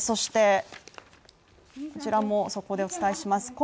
そして、こちらも速報でお伝えします